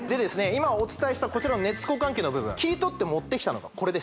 今お伝えしたこちらの熱交換器の部分切り取って持ってきたのがこれです